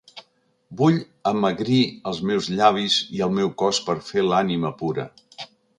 Vull amagrir els meus llavis i el meu cos per fer l’ànima pura.